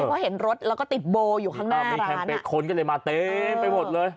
เพราะเห็นรถแล้วก็ติดโบอยู่ข้างหน้ามีแพมเป็ดคนก็เลยมาเต็มไปหมดเลย